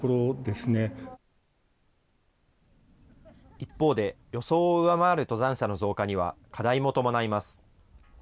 一方で、予想を上回る登山者の増加には課題も伴います。